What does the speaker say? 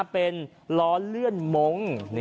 เป็นล้อเลื่อนโม้ง